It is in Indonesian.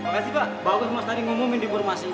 makasih pak bagus mas tadi ngumumin di burmasi